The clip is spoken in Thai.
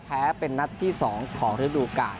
แพ้เป็นนัดที่๒ขอลืมดูก่อน